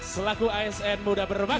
selaku asn muda berbakat